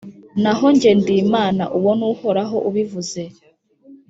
naho jye ndi imana — uwo ni uhoraho ubivuze —